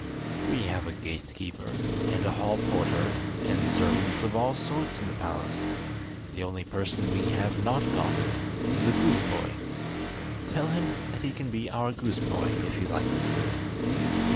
"We have a gate keeper, and a hall porter, and servants of all sorts in the palace; the only person we have not got is a goose boy. Tell him that he can be our goose boy if he likes."